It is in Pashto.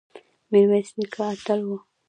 میرویس نیکه اتل و